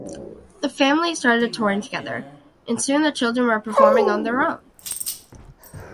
The family started touring together, and soon the children were performing on their own.